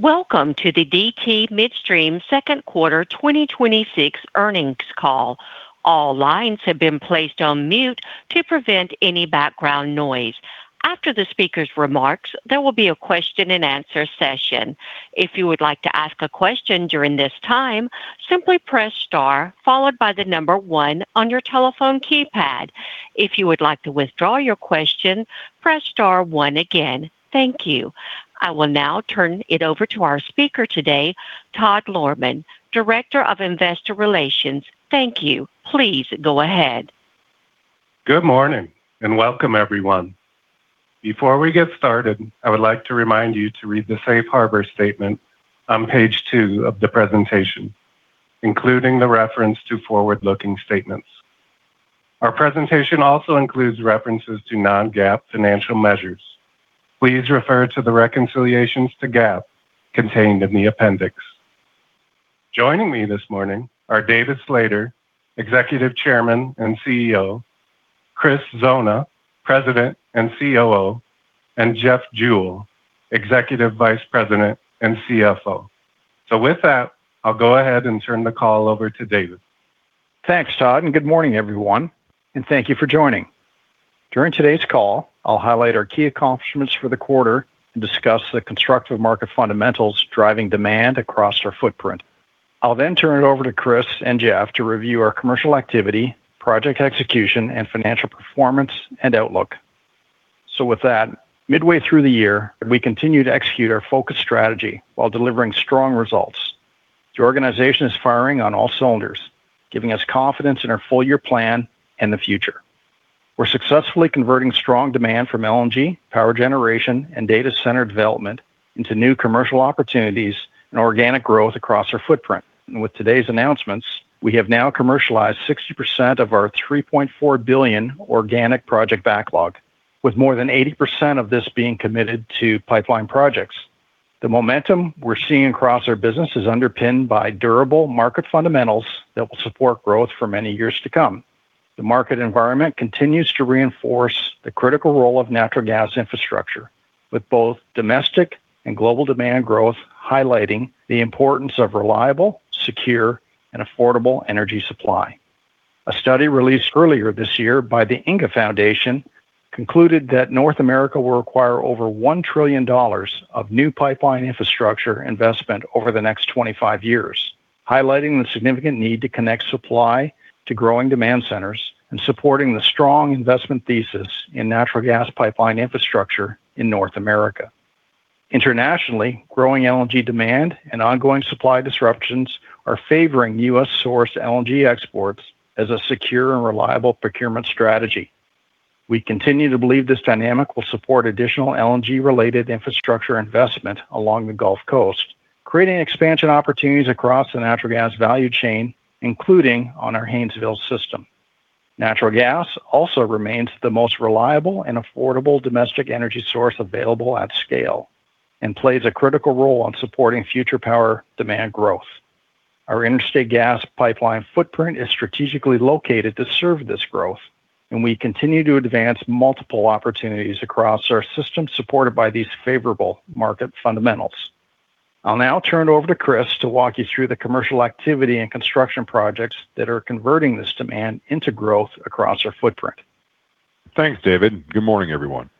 Welcome to the DT Midstream second quarter 2026 earnings call. All lines have been placed on mute to prevent any background noise. After the speaker's remarks, there will be a question and answer session. If you would like to ask a question during this time, simply press star followed by the number one on your telephone keypad. If you would like to withdraw your question, press star one again. Thank you. I will now turn it over to our speaker today, Todd Lohrmann, Director of Investor Relations. Thank you. Please go ahead. Good morning and welcome everyone. Before we get started, I would like to remind you to read the Safe Harbor statement on page two of the presentation, including the reference to forward-looking statements. Our presentation also includes references to non-GAAP financial measures. Please refer to the reconciliations to GAAP contained in the appendix. Joining me this morning are David Slater, Executive Chairman and CEO, Chris Zona, President and COO, and Jeff Jewell, Executive Vice President and CFO. With that, I'll go ahead and turn the call over to David. Thanks, Todd, and good morning everyone, and thank you for joining. During today's call, I'll highlight our key accomplishments for the quarter and discuss the constructive market fundamentals driving demand across our footprint. I'll turn it over to Chris and Jeff to review our commercial activity, project execution, and financial performance and outlook. With that, midway through the year, we continue to execute our focus strategy while delivering strong results. The organization is firing on all cylinders, giving us confidence in our full-year plan and the future. We're successfully converting strong demand from LNG, power generation, and data center development into new commercial opportunities and organic growth across our footprint. With today's announcements, we have now commercialized 60% of our $3.4 billion organic project backlog, with more than 80% of this being committed to pipeline projects. The momentum we're seeing across our business is underpinned by durable market fundamentals that will support growth for many years to come. The market environment continues to reinforce the critical role of natural gas infrastructure, with both domestic and global demand growth highlighting the importance of reliable, secure, and affordable energy supply. A study released earlier this year by the INGAA Foundation concluded that North America will require over $1 trillion of new pipeline infrastructure investment over the next 25 years, highlighting the significant need to connect supply to growing demand centers and supporting the strong investment thesis in natural gas pipeline infrastructure in North America. Internationally, growing LNG demand and ongoing supply disruptions are favoring U.S.-sourced LNG exports as a secure and reliable procurement strategy. We continue to believe this dynamic will support additional LNG-related infrastructure investment along the Gulf Coast, creating expansion opportunities across the natural gas value chain, including on our Haynesville system. Natural gas also remains the most reliable and affordable domestic energy source available at scale and plays a critical role in supporting future power demand growth. Our interstate gas pipeline footprint is strategically located to serve this growth, and we continue to advance multiple opportunities across our system supported by these favorable market fundamentals. I'll now turn it over to Chris to walk you through the commercial activity and construction projects that are converting this demand into growth across our footprint. Thanks, David. Good morning, everyone.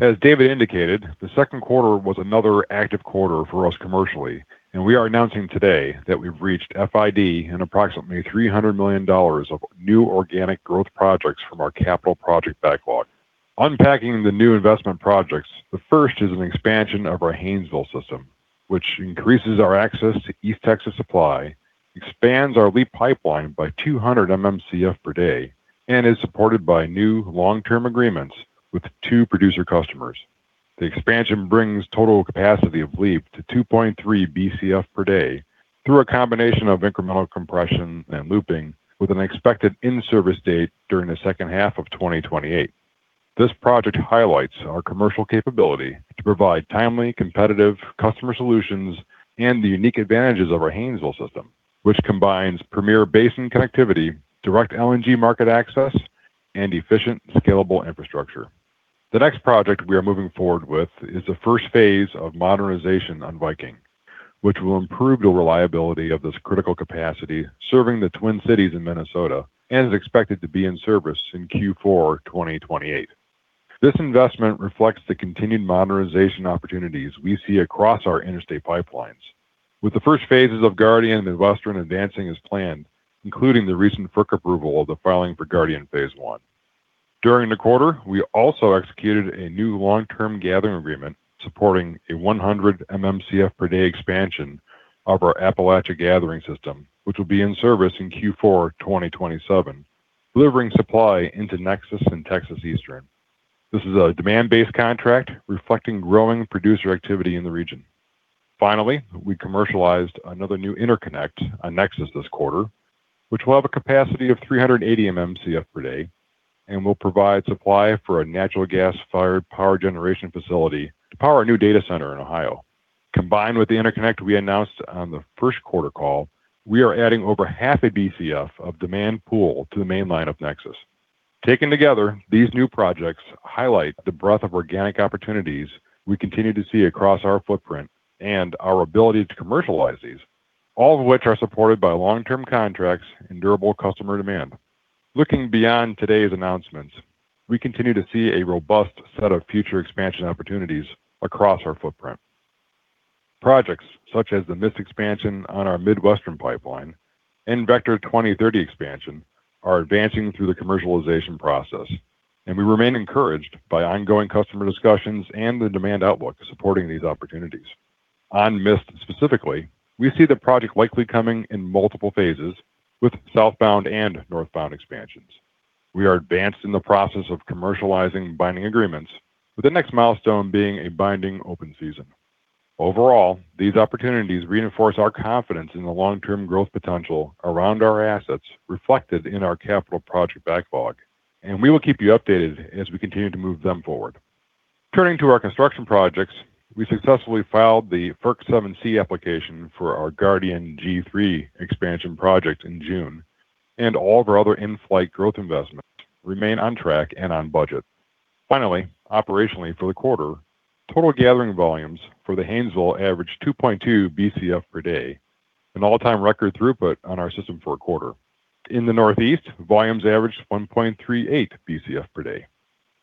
As David indicated, the second quarter was another active quarter for us commercially. We are announcing today that we've reached FID in approximately $300 million of new organic growth projects from our capital project backlog. Unpacking the new investment projects, the first is an expansion of our Haynesville system, which increases our access to East Texas supply, expands our LEAP pipeline by 200 MMcf per day, and is supported by new long-term agreements with two producer customers. The expansion brings total capacity of LEAP to 2.3 Bcf per day through a combination of incremental compression and looping with an expected in-service date during the second half of 2028. This project highlights our commercial capability to provide timely, competitive customer solutions and the unique advantages of our Haynesville system, which combines premier basin connectivity, direct LNG market access, and efficient, scalable infrastructure. The next project we are moving forward with is the first phase of modernization on Viking, which will improve the reliability of this critical capacity serving the Twin Cities in Minnesota and is expected to be in service in Q4 2028. This investment reflects the continued modernization opportunities we see across our interstate pipelines. The first phases of Guardian and Western advancing as planned, including the recent FERC approval of the filing for Guardian Phase 1. During the quarter, we also executed a new long-term gathering agreement supporting a 100 MMcf per day expansion of our Appalachia Gathering System, which will be in service in Q4 2027, delivering supply into NEXUS and Texas Eastern. This is a demand-based contract reflecting growing producer activity in the region. Finally, we commercialized another new interconnect on NEXUS this quarter, which will have a capacity of 380 MMcf per day and will provide supply for a natural gas-fired power generation facility to power a new data center in Ohio. Combined with the interconnect we announced on the first quarter call, we are adding over half a Bcf of demand pool to the main line of NEXUS. Taken together, these new projects highlight the breadth of organic opportunities we continue to see across our footprint and our ability to commercialize these, all of which are supported by long-term contracts and durable customer demand. Looking beyond today's announcements, we continue to see a robust set of future expansion opportunities across our footprint. Projects such as the MIST expansion on our Midwestern Gas Transmission and Vector 2030 expansion are advancing through the commercialization process, and we remain encouraged by ongoing customer discussions and the demand outlook supporting these opportunities. On MIST specifically, we see the project likely coming in multiple phases with southbound and northbound expansions. We are advanced in the process of commercializing binding agreements, with the next milestone being a binding open season. Overall, these opportunities reinforce our confidence in the long-term growth potential around our assets reflected in our capital project backlog, and we will keep you updated as we continue to move them forward. Turning to our construction projects, we successfully filed the FERC 7(c) application for our Guardian G3 Expansion project in June, and all of our other in-flight growth investments remain on track and on budget. Finally, operationally for the quarter, total gathering volumes for the Haynesville averaged 2.2 Bcf per day, an all-time record throughput on our system for a quarter. In the Northeast, volumes averaged 1.38 Bcf per day.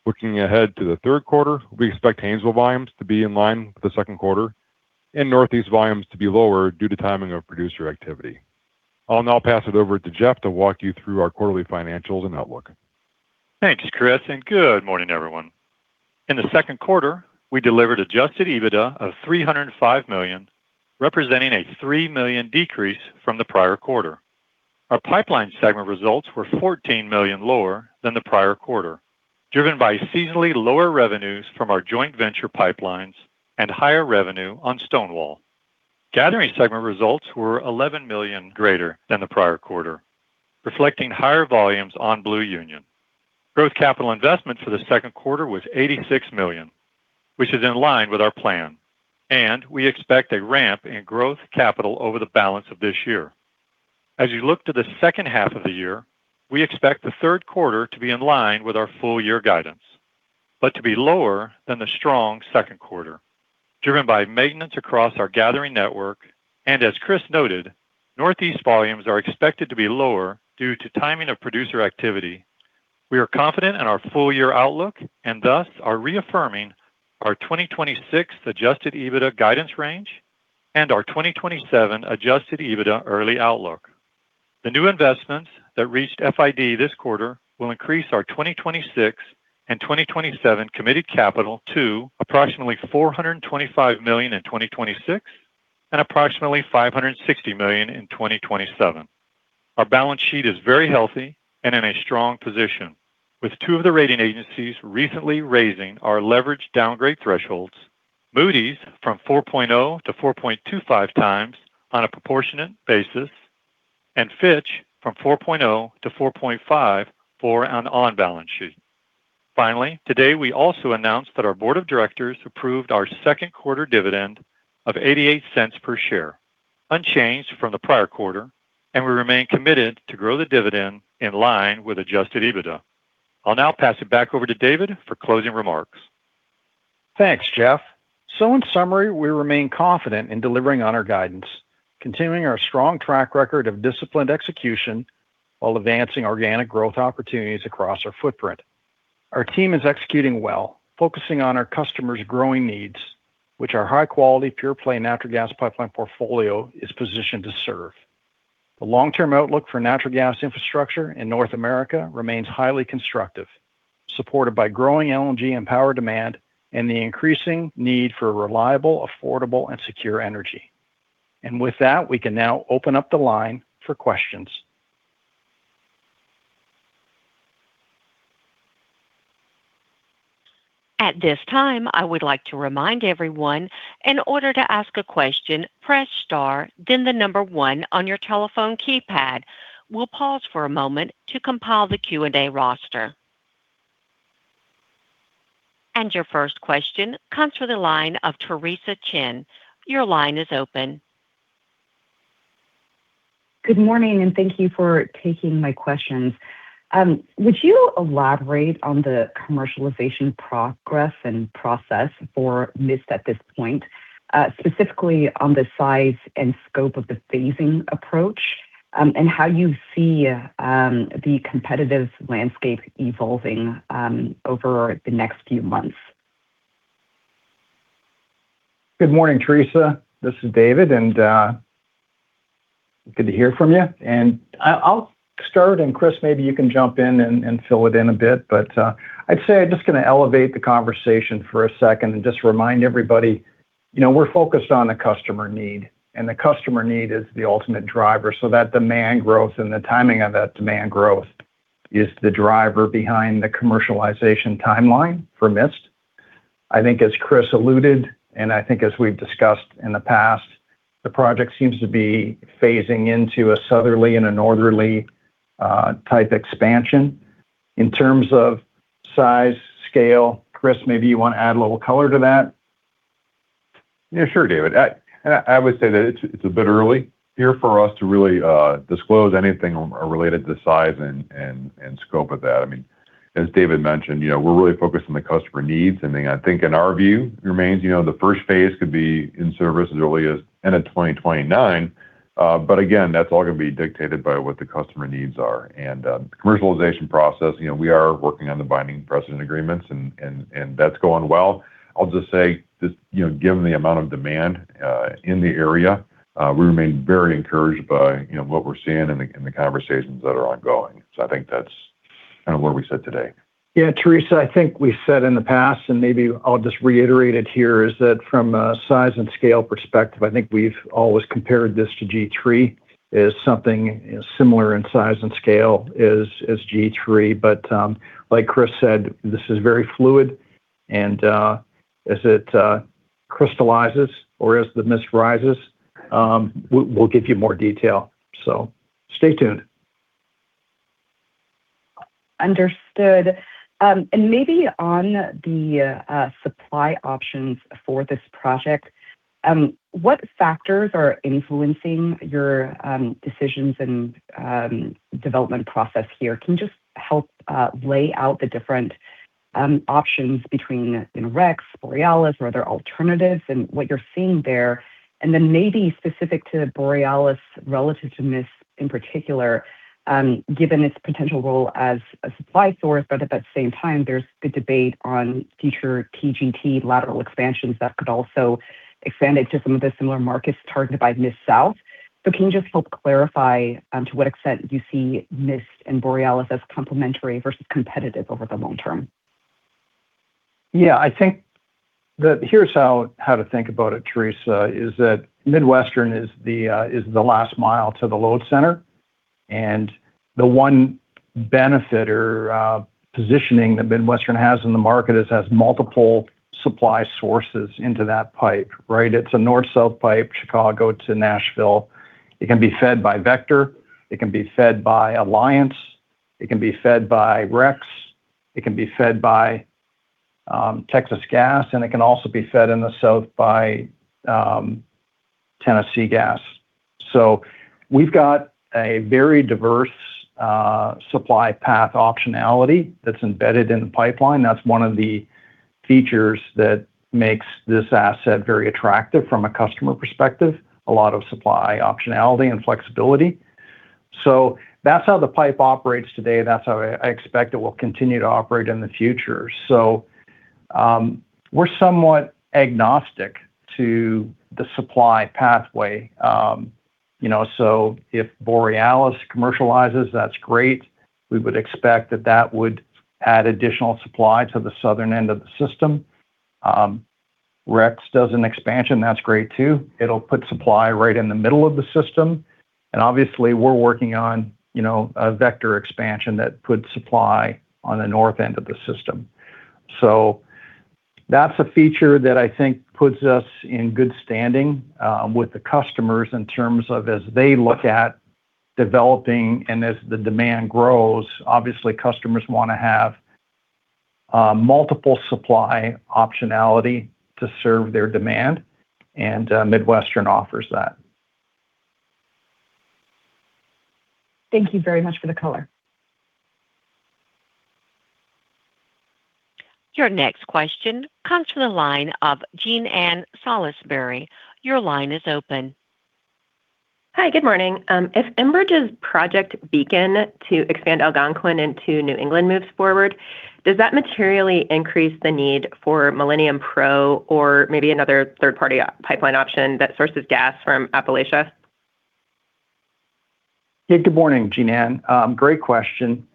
Looking ahead to the third quarter, we expect Haynesville volumes to be in line with the second quarter and Northeast volumes to be lower due to timing of producer activity. I will now pass it over to Jeff to walk you through our quarterly financials and outlook. Thanks, Chris, and good morning, everyone. In the second quarter, we delivered adjusted EBITDA of $305 million, representing a $3 million decrease from the prior quarter. Our pipeline segment results were $14 million lower than the prior quarter, driven by seasonally lower revenues from our joint venture pipelines and higher revenue on Stonewall. Gathering segment results were $11 million greater than the prior quarter, reflecting higher volumes on Blue Union. Growth capital investment for the second quarter was $86 million, which is in line with our plan, and we expect a ramp in growth capital over the balance of this year. As you look to the second half of the year, we expect the third quarter to be in line with our full year guidance, but to be lower than the strong second quarter, driven by maintenance across our gathering network and as Chris noted, Northeast volumes are expected to be lower due to timing of producer activity. We are confident in our full-year outlook and thus are reaffirming our 2026 adjusted EBITDA guidance range and our 2027 adjusted EBITDA early outlook. The new investments that reached FID this quarter will increase our 2026 and 2027 committed capital to approximately $425 million in 2026 and approximately $560 million in 2027. Our balance sheet is very healthy and in a strong position, with two of the rating agencies recently raising our leverage downgrade thresholds. Moody's from 4.0x to 4.25x on a proportionate basis, and Fitch from 4.0x to 4.5x for an on-balance sheet. Today we also announced that our Board of Directors approved our second quarter dividend of $0.88 per share, unchanged from the prior quarter, and we remain committed to grow the dividend in line with adjusted EBITDA. I'll now pass it back over to David for closing remarks. Thanks, Jeff. In summary, we remain confident in delivering on our guidance, continuing our strong track record of disciplined execution while advancing organic growth opportunities across our footprint. Our team is executing well, focusing on our customers' growing needs, which our high-quality, pure-play natural gas pipeline portfolio is positioned to serve. The long-term outlook for natural gas infrastructure in North America remains highly constructive, supported by growing LNG and power demand and the increasing need for reliable, affordable, and secure energy. With that, we can now open up the line for questions. At this time, I would like to remind everyone, in order to ask a question, press star, then the number one on your telephone keypad. We'll pause for a moment to compile the Q and A roster. Your first question comes from the line of Theresa Chen. Your line is open. Good morning, and thank you for taking my questions. Would you elaborate on the commercialization progress and process for MIST at this point, specifically on the size and scope of the phasing approach and how you see the competitive landscape evolving over the next few months? Good morning, Theresa. This is David, and good to hear from you. I'll start, and Chris, maybe you can jump in and fill it in a bit. I'd say I'm just going to elevate the conversation for a second and just remind everybody, we're focused on the customer need, and the customer need is the ultimate driver. That demand growth and the timing of that demand growth is the driver behind the commercialization timeline for MIST. I think as Chris alluded, and I think as we've discussed in the past, the project seems to be phasing into a southerly and a northerly type expansion. In terms of size, scale, Chris, maybe you want to add a little color to that? Yeah, sure, David. I would say that it's a bit early here for us to really disclose anything related to size and scope of that. As David mentioned, we're really focused on the customer needs. I think in our view, remains the first phase could be in service as early as end of 2029. Again, that's all going to be dictated by what the customer needs are. Commercialization process, we are working on the binding precedent agreements and that's going well. I'll just say, just given the amount of demand in the area, we remain very encouraged by what we're seeing in the conversations that are ongoing. I think that's kind of where we sit today. Yeah, Theresa, I think we said in the past, maybe I'll just reiterate it here, is that from a size and scale perspective, I think we've always compared this to G3 as something similar in size and scale as G3. Like Chris said, this is very fluid and as it crystallizes or as the MIST rises, we'll give you more detail. Stay tuned. Understood. Maybe on the supply options for this project, what factors are influencing your decisions and development process here? Can you just help lay out the different options between REX, Borealis or other alternatives and what you're seeing there? Then maybe specific to Borealis relative to MIST in particular, given its potential role as a supply source, but at that same time there's good debate on future TGT lateral expansions that could also expand it to some of the similar markets targeted by MIST South. Can you just help clarify to what extent you see MIST and Borealis as complementary versus competitive over the long term? Yeah, here's how to think about it, Theresa, is that Midwestern is the last mile to the load center. The one benefit or positioning that Midwestern has in the market is it has multiple supply sources into that pipe, right? It's a north-south pipe, Chicago to Nashville. It can be fed by Vector, it can be fed by Alliance, it can be fed by REX, it can be fed by Texas Gas, and it can also be fed in the south by Tennessee Gas. We've got a very diverse supply path optionality that's embedded in the pipeline. That's one of the features that makes this asset very attractive from a customer perspective, a lot of supply optionality and flexibility. That's how the pipe operates today. That's how I expect it will continue to operate in the future. We're somewhat agnostic to the supply pathway. If Borealis commercializes, that's great. We would expect that that would add additional supply to the southern end of the system. REX does an expansion, that's great, too. It'll put supply right in the middle of the system. Obviously we're working on a Vector expansion that puts supply on the north end of the system. That's a feature that I think puts us in good standing with the customers in terms of as they look at developing and as the demand grows. Obviously, customers want to have multiple supply optionality to serve their demand, and Midwestern offers that. Thank you very much for the color. Your next question comes from the line of Jean Ann Salisbury. Your line is open. Hi, good morning. If Enbridge's Project Beacon to expand Algonquin into New England moves forward, does that materially increase the need for Millennium or maybe another third-party pipeline option that sources gas from Appalachia? Yeah. Good morning, Jean Ann. Great question.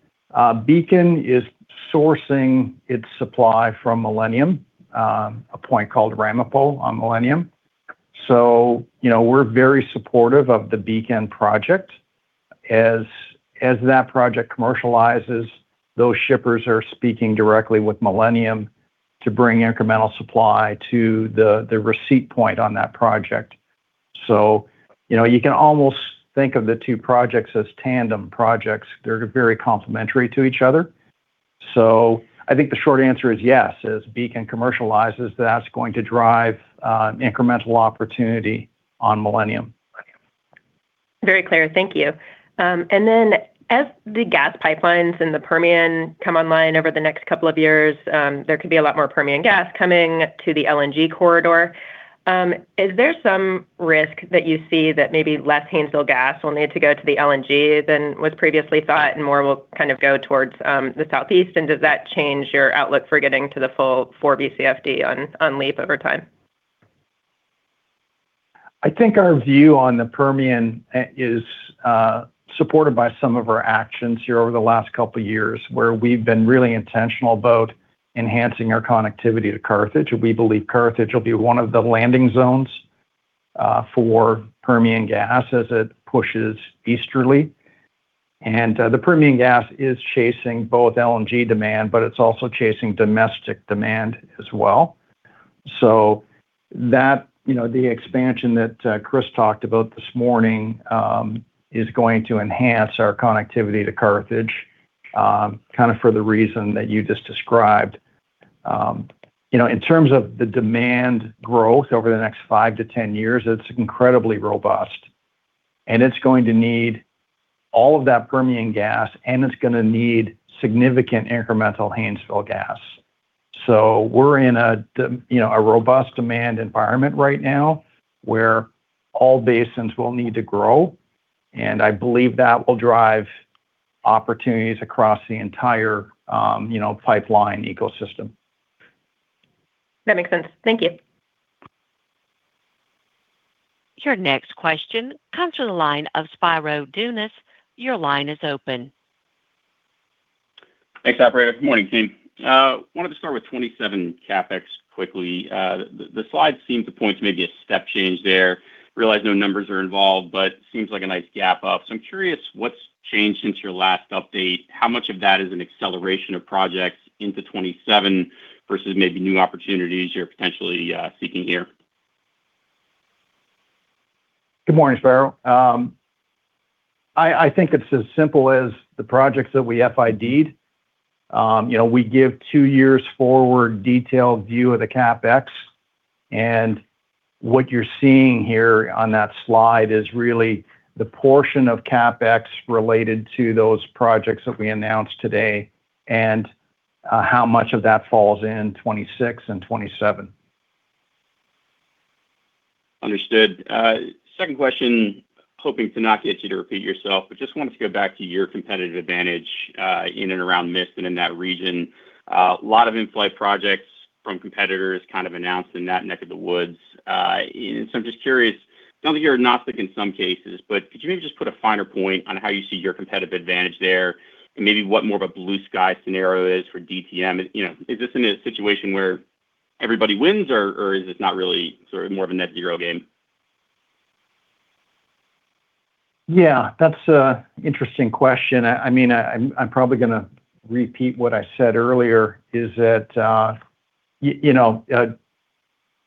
Beacon is sourcing its supply from Millennium, a point called Ramapo on Millennium. We're very supportive of the Beacon project. As that project commercializes, those shippers are speaking directly with Millennium to bring incremental supply to the receipt point on that project. You can almost think of the two projects as tandem projects. They're very complementary to each other. I think the short answer is yes. As Beacon commercializes, that's going to drive incremental opportunity on Millennium. Very clear. Thank you. As the gas pipelines in the Permian come online over the next couple of years, there could be a lot more Permian gas coming to the LNG corridor. Is there some risk that you see that maybe less Haynesville gas will need to go to the LNG than was previously thought, and more will kind of go towards the southeast? Does that change your outlook for getting to the full 4 Bcfd on LEAP over time? I think our view on the Permian is supported by some of our actions here over the last couple of years, where we've been really intentional about enhancing our connectivity to Carthage. We believe Carthage will be one of the landing zones for Permian gas as it pushes easterly. The Permian gas is chasing both LNG demand, but it's also chasing domestic demand as well. The expansion that Chris talked about this morning is going to enhance our connectivity to Carthage Kind of for the reason that you just described. In terms of the demand growth over the next 5-10 years, it's incredibly robust and it's going to need all of that Permian gas, and it's going to need significant incremental Haynesville gas. We're in a robust demand environment right now where all basins will need to grow, and I believe that will drive opportunities across the entire pipeline ecosystem. That makes sense. Thank you. Your next question comes from the line of Spiro Dounis. Your line is open. Thanks, operator. Good morning, team. Wanted to start with 2027 CapEx quickly. The slide seems to point to maybe a step change there. Realize no numbers are involved, but seems like a nice gap up. I'm curious what's changed since your last update. How much of that is an acceleration of projects into 2027 versus maybe new opportunities you're potentially seeking here? Good morning, Spiro. I think it's as simple as the projects that we FID'd. We give two years forward detailed view of the CapEx, and what you're seeing here on that slide is really the portion of CapEx related to those projects that we announced today and how much of that falls in 2026 and 2027. Understood. Second question, hoping to not get you to repeat yourself, just wanted to go back to your competitive advantage in and around MIST and in that region. A lot of inflight projects from competitors kind of announced in that neck of the woods. I'm just curious, I know that you're agnostic in some cases, but could you maybe just put a finer point on how you see your competitive advantage there and maybe what more of a blue sky scenario is for DTM? Is this in a situation where everybody wins or is it not really sort of more of a net zero game? That's an interesting question. I'm probably going to repeat what I said earlier, is that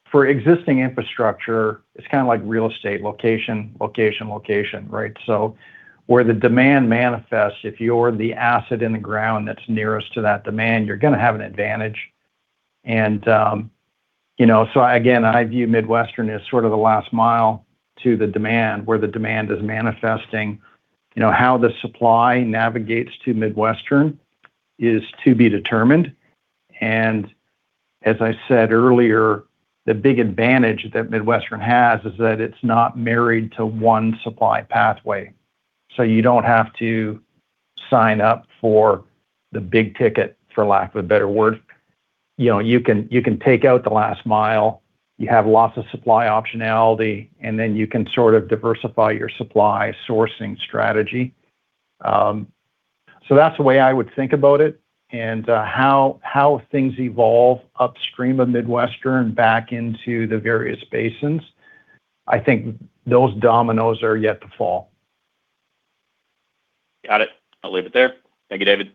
for existing infrastructure, it's kind of like real estate, location, location, right? Where the demand manifests, if you're the asset in the ground that's nearest to that demand, you're going to have an advantage. Again, I view Midwestern as sort of the last mile to the demand, where the demand is manifesting. How the supply navigates to Midwestern is to be determined. As I said earlier, the big advantage that Midwestern has is that it's not married to one supply pathway, you don't have to sign up for the big ticket, for lack of a better word. You can take out the last mile, you have lots of supply optionality, then you can sort of diversify your supply sourcing strategy. That's the way I would think about it and how things evolve upstream of Midwestern back into the various basins. I think those dominoes are yet to fall. Got it. I'll leave it there. Thank you, David.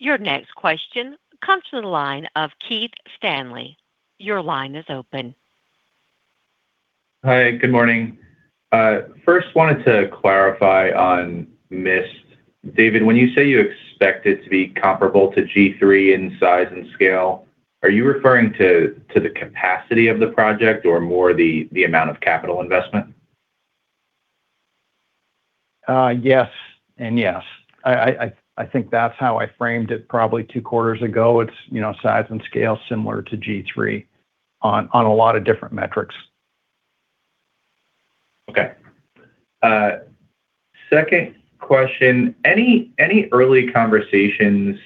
Your next question comes from the line of Keith Stanley. Your line is open. Hi. Good morning. First wanted to clarify on MIST. David, when you say you expect it to be comparable to G3 in size and scale, are you referring to the capacity of the project or more the amount of capital investment? Yes and yes. I think that's how I framed it probably two quarters ago. It's size and scale similar to G3 on a lot of different metrics. Okay. Second question: Any early conversations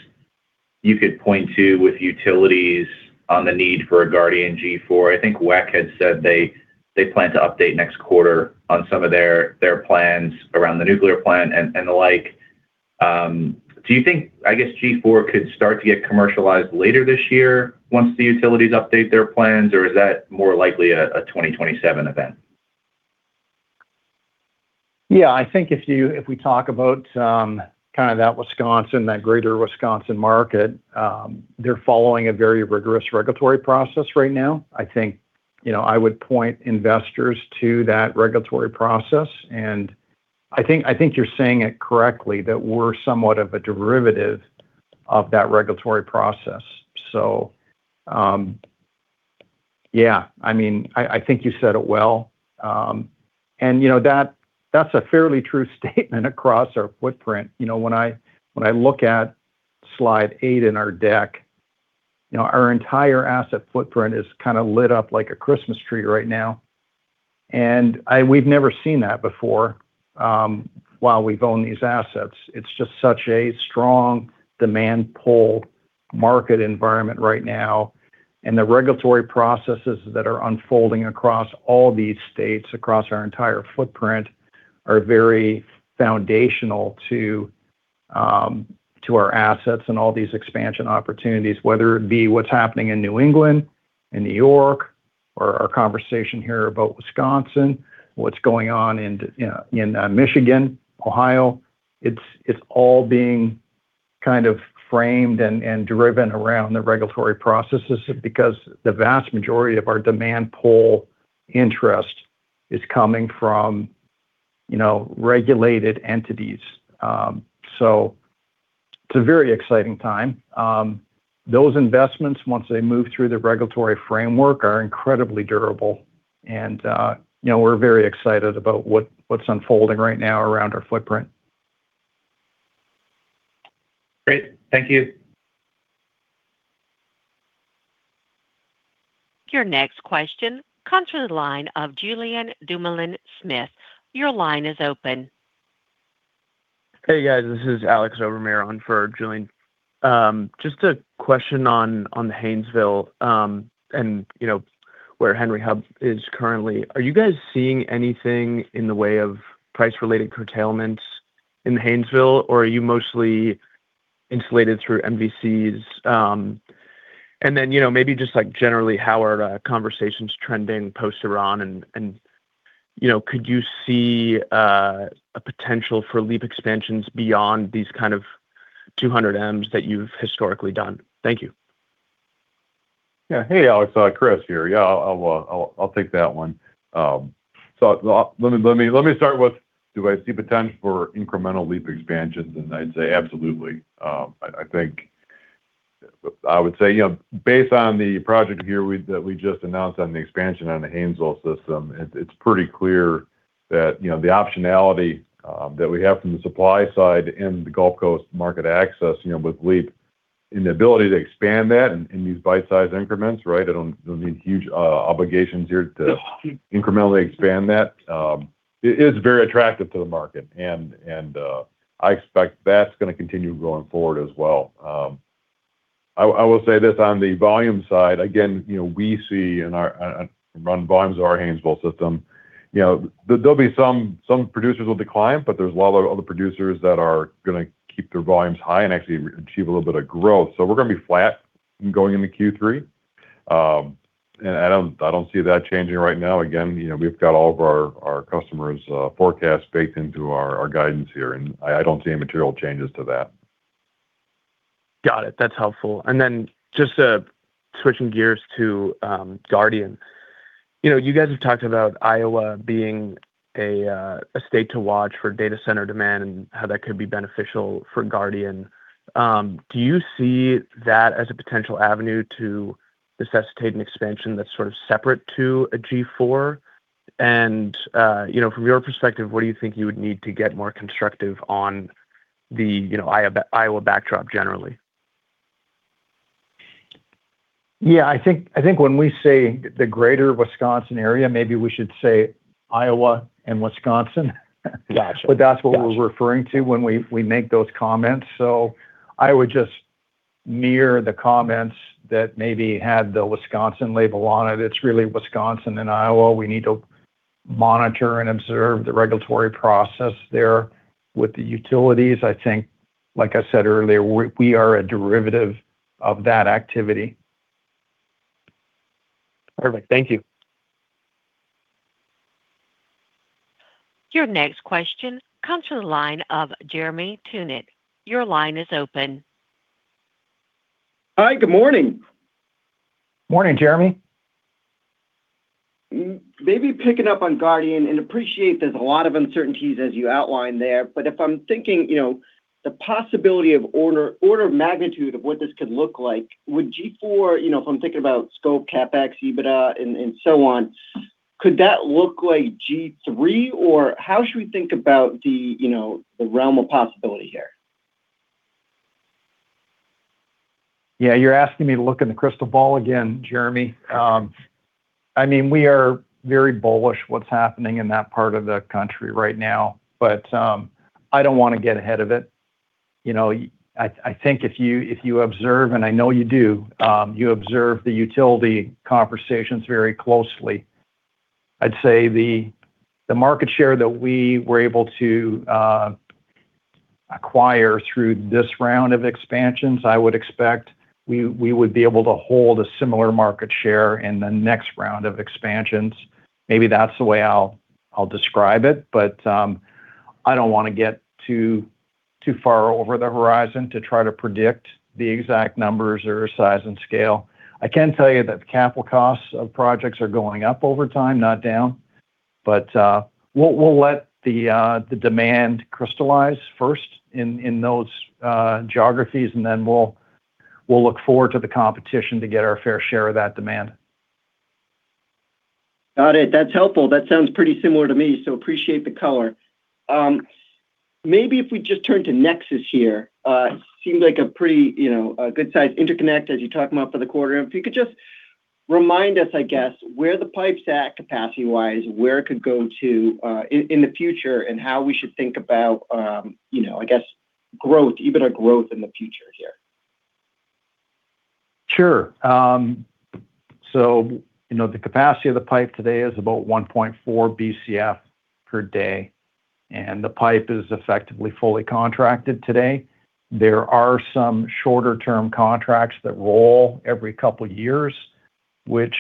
you could point to with utilities on the need for a Guardian G4? I think WEC had said they plan to update next quarter on some of their plans around the nuclear plant and the like. Do you think, I guess, G4 could start to get commercialized later this year once the utilities update their plans? Or is that more likely a 2027 event? I think if we talk about kind of that Wisconsin, that greater Wisconsin market, they're following a very rigorous regulatory process right now. I think I would point investors to that regulatory process, and I think you're saying it correctly, that we're somewhat of a derivative of that regulatory process. I think you said it well. That's a fairly true statement across our footprint. When I look at slide eight in our deck, our entire asset footprint is kind of lit up like a Christmas tree right now, and we've never seen that before while we've owned these assets. It's just such a strong demand pull market environment right now. The regulatory processes that are unfolding across all these states, across our entire footprint, are very foundational to our assets and all these expansion opportunities, whether it be what's happening in New England, in New York, or our conversation here about Wisconsin, what's going on in Michigan, Ohio. It's all being Kind of framed and driven around the regulatory processes because the vast majority of our demand pull interest is coming from regulated entities. It's a very exciting time. Those investments, once they move through the regulatory framework, are incredibly durable and we're very excited about what's unfolding right now around our footprint. Great. Thank you. Your next question comes from the line of Julien Dumoulin-Smith. Your line is open. Hey, guys. This is Alex for Julien. Just a question on Haynesville, and where Henry Hub is currently. Are you guys seeing anything in the way of price-related curtailments in Haynesville or are you mostly insulated through MVCs? Then, maybe just like generally, how are conversations trending post-Iran and could you see a potential for LEAP expansions beyond these kind of 200 Ms that you've historically done? Thank you. Yeah. Hey, Alex. Chris here. Yeah, I'll take that one. Let me start with, do I see potential for incremental LEAP expansions? I'd say absolutely. I would say based on the project here that we just announced on the expansion on the Haynesville system, it's pretty clear that the optionality that we have from the supply side in the Gulf Coast market access with LEAP, and the ability to expand that in these bite-size increments, right? I don't need huge obligations here to incrementally expand that. It is very attractive to the market and I expect that's going to continue going forward as well. I will say this on the volume side, again, we see and run volumes of our Haynesville system. There'll be some producers will decline, but there's a lot of other producers that are going to keep their volumes high and actually achieve a little bit of growth. We're going to be flat going into Q3. I don't see that changing right now. Again, we've got all of our customers' forecasts baked into our guidance here, and I don't see any material changes to that. Got it. That's helpful. Just switching gears to Guardian. You guys have talked about Iowa being a state to watch for data center demand and how that could be beneficial for Guardian. Do you see that as a potential avenue to necessitate an expansion that's sort of separate to a G4? From your perspective, what do you think you would need to get more constructive on the Iowa backdrop generally? Yeah, I think when we say the greater Wisconsin area, maybe we should say Iowa and Wisconsin. Got you. That's what we're referring to when we make those comments. I would just mirror the comments that maybe had the Wisconsin label on it. It's really Wisconsin and Iowa. We need to monitor and observe the regulatory process there with the utilities. I think, like I said earlier, we are a derivative of that activity. Perfect. Thank you. Your next question comes from the line of Jeremy Tonet. Your line is open. Hi. Good morning. Morning, Jeremy. Maybe picking up on Guardian, appreciate there's a lot of uncertainties as you outlined there. If I'm thinking the possibility of order of magnitude of what this could look like, would G4, if I'm thinking about scope, CapEx, EBITDA, and so on, could that look like G3 or how should we think about the realm of possibility here? Yeah, you're asking me to look in the crystal ball again, Jeremy. I don't want to get ahead of it. I think if you observe, I know you do, you observe the utility conversations very closely. I'd say the market share that we were able to acquire through this round of expansions, I would expect we would be able to hold a similar market share in the next round of expansions. Maybe that's the way I'll describe it. I don't want to get too far over the horizon to try to predict the exact numbers or size and scale. I can tell you that the capital costs of projects are going up over time, not down. We'll let the demand crystallize first in those geographies, then we'll look forward to the competition to get our fair share of that demand. Got it. That's helpful. That sounds pretty similar to me, appreciate the color. Maybe if we just turn to NEXUS here. Seems like a pretty good-sized interconnect as you talk about for the quarter. If you could just remind us, I guess, where the pipe's at capacity-wise, where it could go to, in the future, how we should think about EBITDA growth in the future here. Sure. The capacity of the pipe today is about 1.4 Bcf per day, and the pipe is effectively fully contracted today. There are some shorter-term contracts that roll every couple of years, which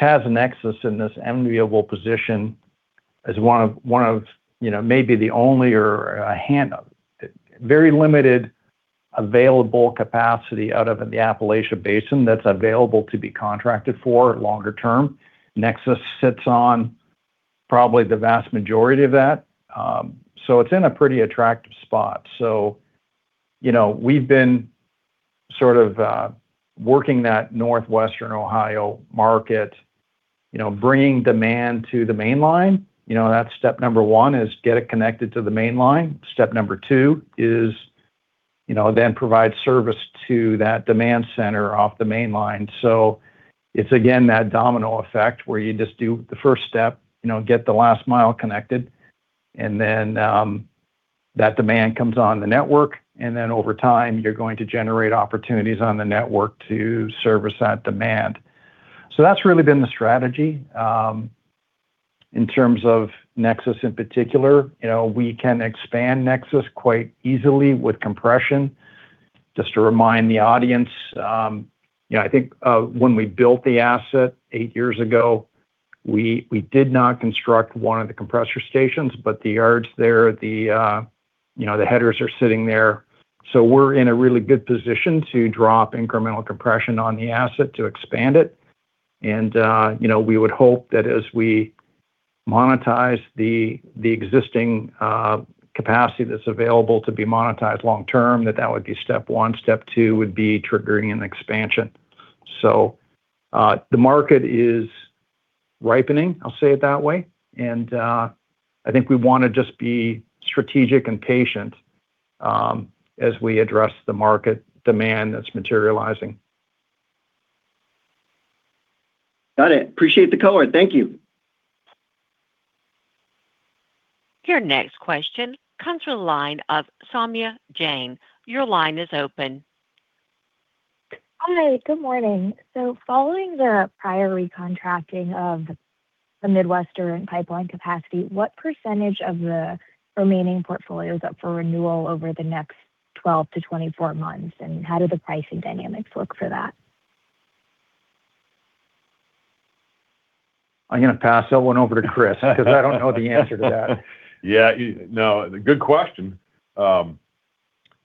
has NEXUS in this enviable position as one of maybe the only or a handful. Very limited available capacity out of the Appalachia Basin that's available to be contracted for longer term. NEXUS sits on probably the vast majority of that. It's in a pretty attractive spot. We've been sort of working that Northwestern Ohio market, bringing demand to the main line. That's step one, is get it connected to the main line. Step number two is then provide service to that demand center off the main line. It's again, that domino effect where you just do the first step, get the last mile connected, and then that demand comes on the network, and then over time, you're going to generate opportunities on the network to service that demand. That's really been the strategy. In terms of NEXUS in particular, we can expand NEXUS quite easily with compression. Just to remind the audience, I think when we built the asset eight years ago, we did not construct one of the compressor stations, but the yards there, the headers are sitting there. We're in a really good position to drop incremental compression on the asset to expand it. We would hope that as we monetize the existing capacity that's available to be monetized long term, that that would be step one. Step two would be triggering an expansion. The market is ripening, I'll say it that way, and I think we want to just be strategic and patient as we address the market demand that's materializing. Got it. Appreciate the color. Thank you. Your next question comes from the line of Saumya Jain. Your line is open. Hi. Good morning. Following the prior recontracting of the Midwestern capacity, what percentage of the remaining portfolio is up for renewal over the next 12-24 months? How do the pricing dynamics look for that? I'm going to pass that one over to Chris because I don't know the answer to that. Yeah. No, good question.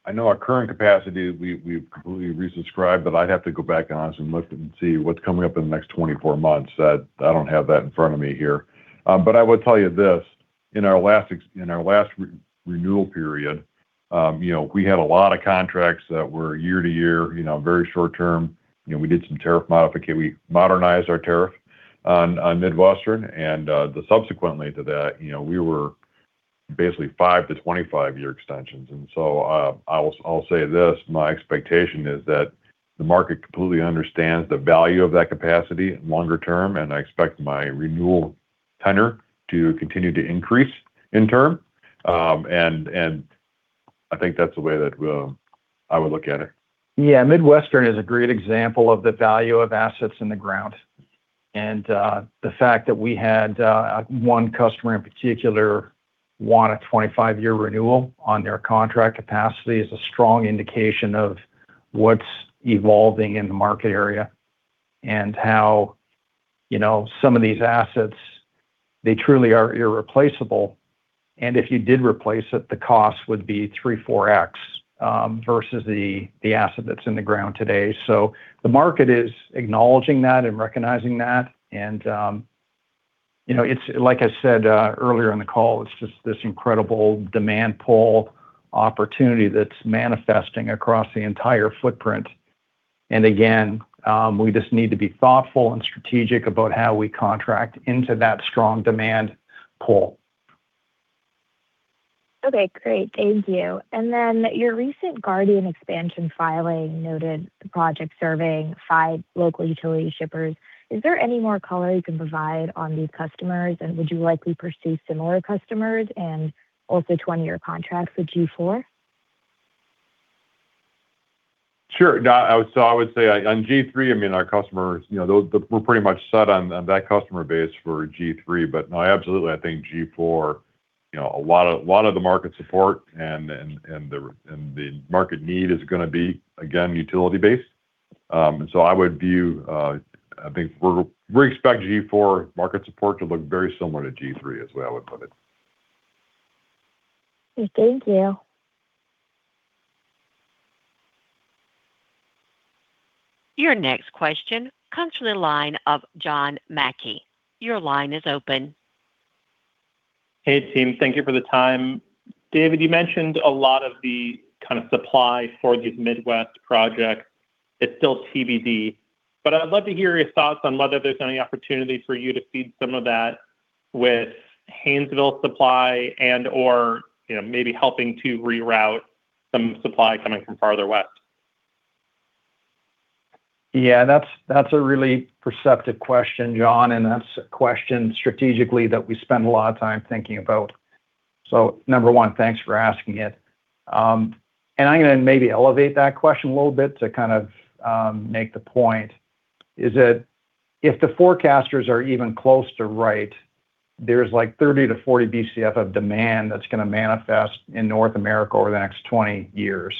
I know our current capacity, we completely resubscribed, I'd have to go back on and look and see what's coming up in the next 24 months. I don't have that in front of me here. I would tell you this. In our last renewal period, we had a lot of contracts that were year-to-year, very short term. We did some tariff modification. We modernized our tariff on Midwestern, subsequently to that, we were basically 5-25-year extensions. I'll say this. My expectation is that the market completely understands the value of that capacity longer term, I expect my renewal tenure to continue to increase in term. I think that's the way that I would look at it. Yeah. Midwestern is a great example of the value of assets in the ground. The fact that we had one customer in particular want a 25-year renewal on their contract capacity is a strong indication of what's evolving in the market area and how some of these assets, they truly are irreplaceable. If you did replace it, the cost would be 3x, 4x, versus the asset that's in the ground today. The market is acknowledging that and recognizing that. It's like I said earlier in the call, it's just this incredible demand pull opportunity that's manifesting across the entire footprint. Again, we just need to be thoughtful and strategic about how we contract into that strong demand pull. Okay, great. Thank you. Your recent Guardian expansion filing noted the project serving five local utility shippers. Is there any more color you can provide on these customers, and would you likely pursue similar customers and also 20-year contracts with G4? Sure. I would say on G3, our customers, we're pretty much set on that customer base for G3. No, absolutely, I think G4, a lot of the market support and the market need is going to be, again, utility-based. I would view, I think we expect G4 market support to look very similar to G3 is the way I would put it. Okay. Thank you. Your next question comes from the line of John Mackay. Your line is open. Hey, team. Thank you for the time. David, you mentioned a lot of the kind of supply for these Midwest projects. It's still TBD, but I'd love to hear your thoughts on whether there's any opportunity for you to feed some of that with Haynesville supply and/or maybe helping to reroute some supply coming from farther west. Yeah, that's a really perceptive question, John, and that's a question strategically that we spend a lot of time thinking about. Number one, thanks for asking it. I'm going to maybe elevate that question a little bit to kind of make the point is that if the forecasters are even close to right, there's like 30-40 Bcf of demand that's going to manifest in North America over the next 20 years.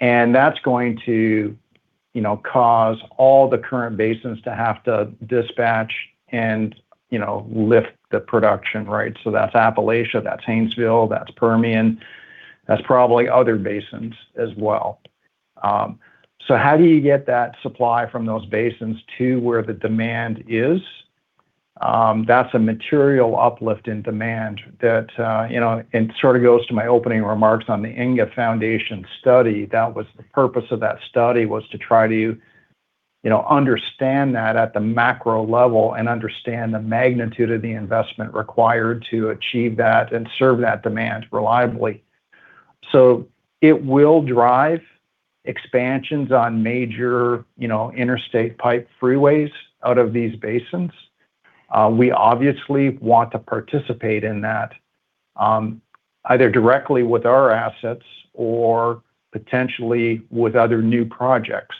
That's going to cause all the current basins to have to dispatch and lift the production, right? That's Appalachia, that's Haynesville, that's Permian. That's probably other basins as well. How do you get that supply from those basins to where the demand is? That's a material uplift in demand and sort of goes to my opening remarks on the INGAA Foundation study. That was the purpose of that study, was to try to understand that at the macro level and understand the magnitude of the investment required to achieve that and serve that demand reliably. It will drive expansions on major interstate pipe freeways out of these basins. We obviously want to participate in that, either directly with our assets or potentially with other new projects.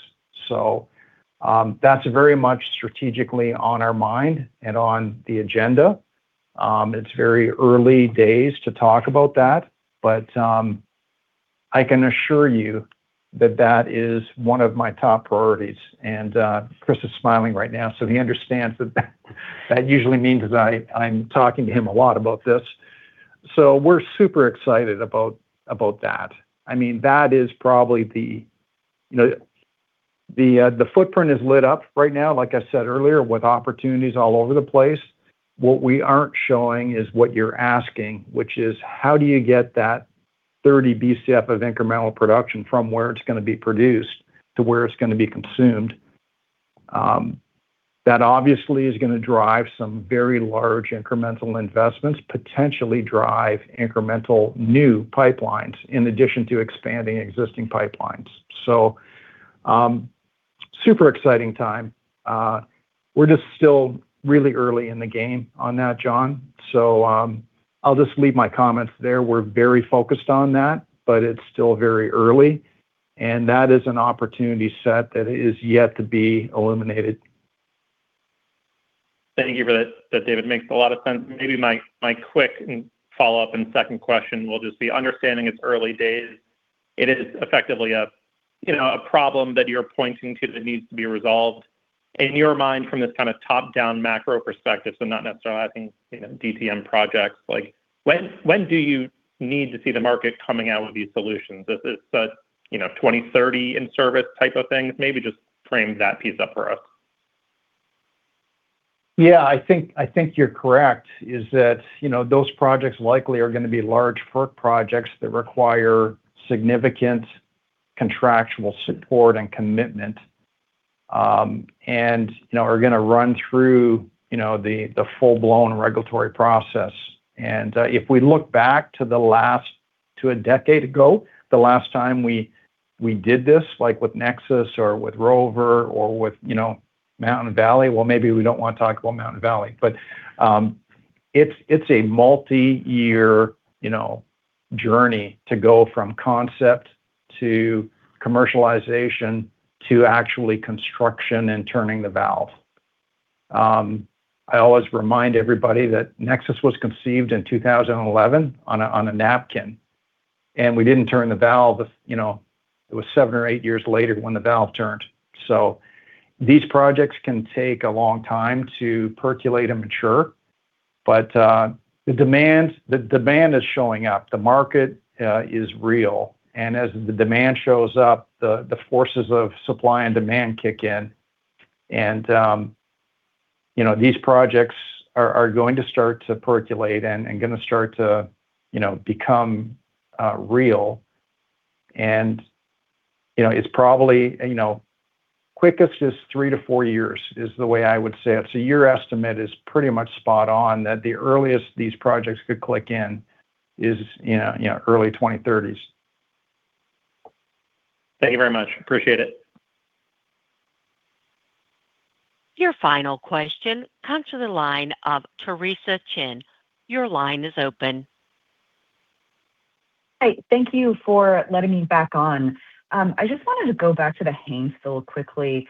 That's very much strategically on our mind and on the agenda. It's very early days to talk about that, but I can assure you that that is one of my top priorities. Chris is smiling right now, so he understands that that usually means that I'm talking to him a lot about this. We're super excited about that. The footprint is lit up right now, like I said earlier, with opportunities all over the place. What we aren't showing is what you're asking, which is: how do you get that 30 Bcf of incremental production from where it's going to be produced to where it's going to be consumed? That obviously is going to drive some very large incremental investments, potentially drive incremental new pipelines in addition to expanding existing pipelines. Super exciting time. We're just still really early in the game on that, John. I'll just leave my comments there. We're very focused on that, but it's still very early, and that is an opportunity set that is yet to be illuminated. Thank you for that, David. Makes a lot of sense. Maybe my quick follow-up and second question will just be understanding it's early days. It is effectively a problem that you're pointing to that needs to be resolved. In your mind, from this kind of top-down macro perspective, not necessarily having DTM projects, when do you need to see the market coming out with these solutions? Is it a 2030 in service type of thing? Maybe just frame that piece up for us. I think you're correct, is that those projects likely are going to be large FERC projects that require significant contractual support and commitment, and are going to run through the full-blown regulatory process. If we look back to a decade ago, the last time we did this, like with NEXUS or with Rover or with Mountain Valley, well, maybe we don't want to talk about Mountain Valley, but it's a multi-year journey to go from concept to commercialization to actually construction and turning the valve. I always remind everybody that NEXUS was conceived in 2011 on a napkin, and we didn't turn the valve. It was seven or eight years later when the valve turned. These projects can take a long time to percolate and mature. The demand is showing up. The market is real, as the demand shows up, the forces of supply and demand kick in. These projects are going to start to percolate and going to start to become real. Quickest is three to four years, is the way I would say it. Your estimate is pretty much spot on, that the earliest these projects could click in is early 2030s. Thank you very much. Appreciate it. Your final question comes from the line of Theresa Chen. Your line is open. Hi. Thank you for letting me back on. I just wanted to go back to the Haynesville quickly.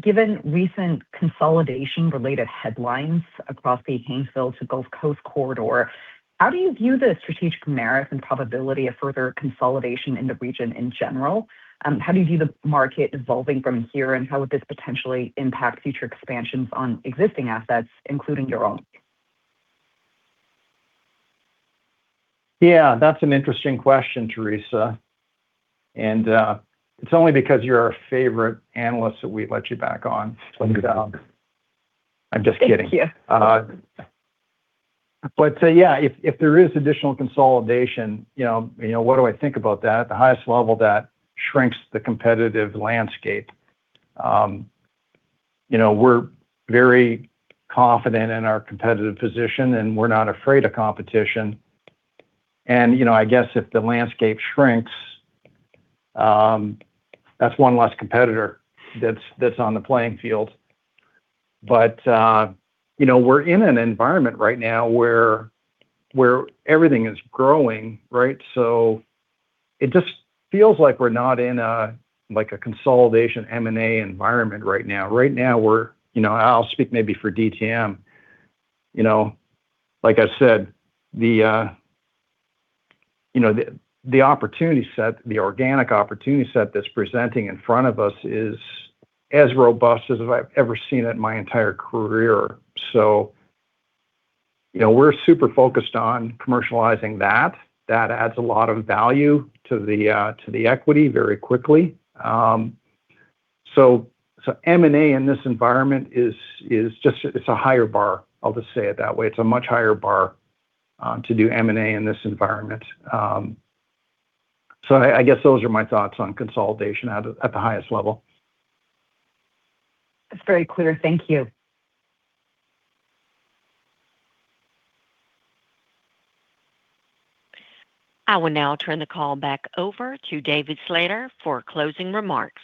Given recent consolidation-related headlines across the Haynesville to Gulf Coast corridor, how do you view the strategic merit and probability of further consolidation in the region in general? How do you view the market evolving from here, and how would this potentially impact future expansions on existing assets, including your own? Yeah. That's an interesting question, Theresa. It's only because you're our favorite analyst that we let you back on. Thank you. I'm just kidding. Thank you. Yeah, if there is additional consolidation, what do I think about that? At the highest level, that shrinks the competitive landscape. We're very confident in our competitive position, and we're not afraid of competition. I guess if the landscape shrinks, that's one less competitor that's on the playing field. We're in an environment right now where everything is growing, right? It just feels like we're not in a consolidation M&A environment right now. Right now, I'll speak maybe for DTM. Like I said, the organic opportunity set that's presenting in front of us is as robust as I've ever seen it in my entire career. We're super focused on commercializing that. That adds a lot of value to the equity very quickly. M&A in this environment, it's a higher bar. I'll just say it that way. It's a much higher bar to do M&A in this environment. I guess those are my thoughts on consolidation at the highest level. That's very clear. Thank you. I will now turn the call back over to David Slater for closing remarks.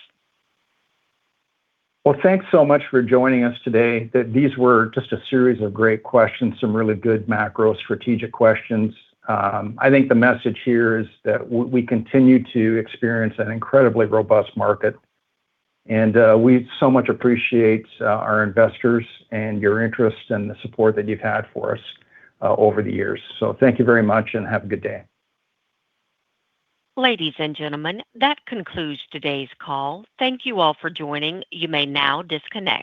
Well, thanks so much for joining us today. These were just a series of great questions, some really good macro strategic questions. I think the message here is that we continue to experience an incredibly robust market. We so much appreciate our investors and your interest and the support that you've had for us over the years. Thank you very much and have a good day. Ladies and gentlemen, that concludes today's call. Thank you all for joining. You may now disconnect.